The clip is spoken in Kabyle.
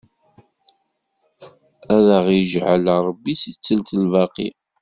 Ad aɣ-iǧɛel Ṛebbi si ttelt lbaqi!